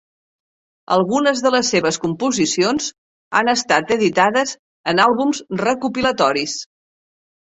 Algunes de les seves composicions han estat editades en àlbums recopilatoris.